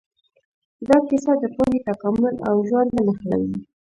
دا کیسه د پوهې، تکامل او ژونده نښلوي.